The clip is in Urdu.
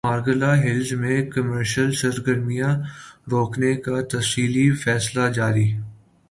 مارگلہ ہلز میں کمرشل سرگرمیاں روکنے کا تفصیلی فیصلہ جاری